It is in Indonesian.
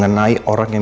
ternyata gak seneng